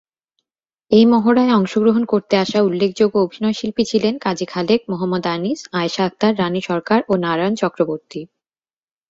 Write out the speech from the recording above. এই মহড়ায় অংশগ্রহণ করতে আসা উল্লেখযোগ্য অভিনয়শিল্পী ছিলেন কাজী খালেক, মহম্মদ আনিস, আয়েশা আক্তার, রানী সরকার, ও নারায়ণ চক্রবর্তী।